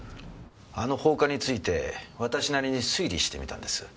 あの放火について私なりに推理してみたんです。